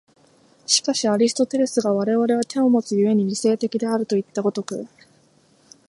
しかしアリストテレスが我々は手をもつ故に理性的であるといった如く